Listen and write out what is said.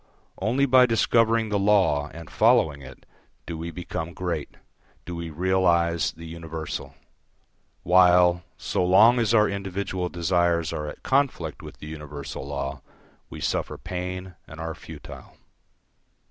Only by discovering the law and following it, do we become great, do we realise the universal; while, so long as our individual desires are at conflict with the universal law, we suffer pain and are futile.